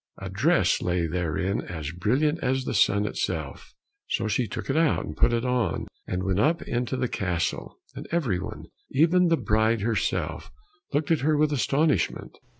A dress lay therein as brilliant as the sun itself. So she took it out and put it on, and went up into the castle, and everyone, even the bride herself, looked at her with astonishment.